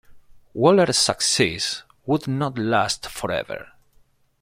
Wohlers' success would not last forever.